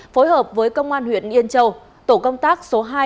phối hợp với công an huyện yên châu tổ công tác số hai